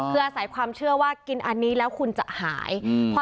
คืออาศัยความเชื่อว่ากินอันนี้แล้วคุณจะหาย